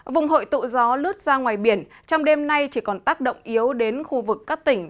vùng hội tụ gió lướt ra ngoài biển trong đêm nay chỉ còn tác động yếu đến khu vực các tỉnh